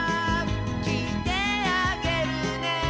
「きいてあげるね」